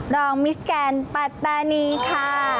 รองมิสแกนปัตตานีค่ะ